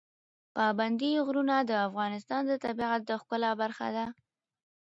پابندی غرونه د افغانستان د طبیعت د ښکلا برخه ده.